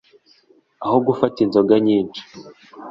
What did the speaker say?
aho gufata inzoga nyinshi